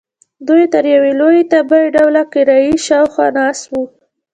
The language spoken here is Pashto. دوی تر یوې لویې تبۍ ډوله کړایۍ شاخوا ناست وو.